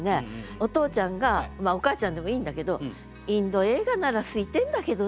お父ちゃんがお母ちゃんでもいいんだけど「インド映画なら空いてんだけどな」。